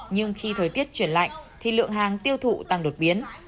nhưng khi thời tiết chuyển lạnh thì lượng hàng tiêu thụ tăng đột biến